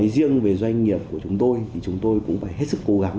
riêng về doanh nghiệp của chúng tôi thì chúng tôi cũng phải hết sức cố gắng